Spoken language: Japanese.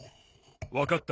わかった。